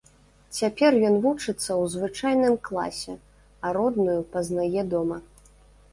Цяпер ён вучыцца ў звычайным класе, а родную пазнае дома.